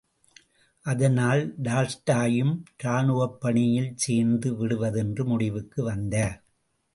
அதனால், டால்ஸ்டாயையும் ராணுவப் பணியில் சேர்த்து விடுவது என்ற முடிவுக்கு வந்தார்.